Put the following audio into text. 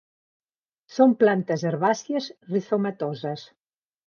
Són plantes herbàcies rizomatoses.